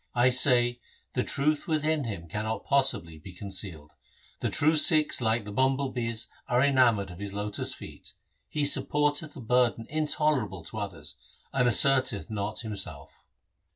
I say, the truth within him cannot possibly be concealed ; the true Sikhs like the bumble bees are enamoured of his lotus feet. He supporteth a burden intolerable to others and asserteth not himself.